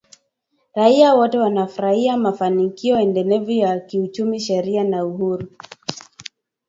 raia wote wanafurahia mafanikio endelevu ya kiuchumi, sheria na uhuru